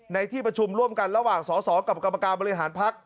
ในที่ประชุมร่วมกันระหว่างสอสอกับกรรมการบริหารพัก